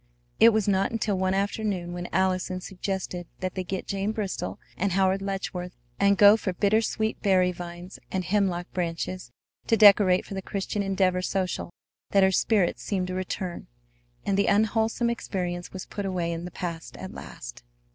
It was not until one afternoon when Allison suggested that they get Jane Bristol and Howard Letchworth and go for bittersweet berry vines and hemlock branches to decorate for the Christian Endeavor social that her spirits seemed to return, and the unwholesome experience was put away in the past at last.